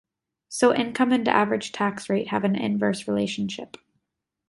So income and average tax rate have an inverse relationship.